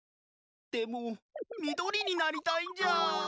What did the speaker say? でもみどりになりたいんじゃあ。